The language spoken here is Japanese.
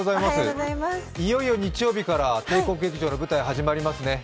いよいよ日曜日から帝国劇場の舞台が始まりますね。